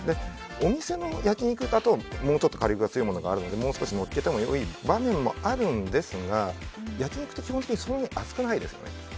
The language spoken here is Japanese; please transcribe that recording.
お店の焼き肉だと、もうちょっと火力が強いものがあるのでもう少しのっけてもいい場面もあるんですが焼き肉って基本的にそんなに熱くないですよね。